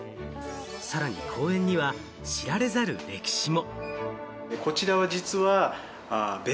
さらに公園には知られざる歴史も。